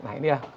nah ini ya